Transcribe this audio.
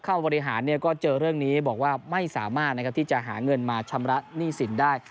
บริหารก็เจอเรื่องนี้บอกว่าไม่สามารถที่จะหาเงินมาชำระหนี้สินได้